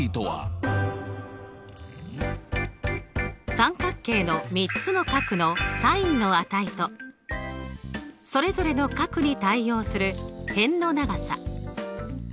三角形の３つの角のｓｉｎの値とそれぞれの角に対応する辺の長さ。